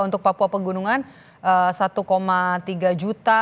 untuk papua pegunungan satu tiga juta